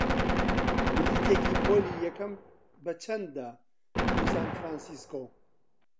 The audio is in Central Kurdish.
بلیتێکی پۆلی یەکەم بەچەندە بۆ سان فرانسیسکۆ؟